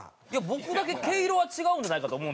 僕だけ毛色は違うんじゃないかと思うんですけどね。